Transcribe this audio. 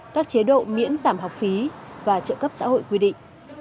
các chế độ miễn giảm học phí và trợ cấp xã hội quy định